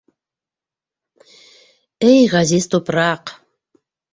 Эй ғәзиз тупраҡ!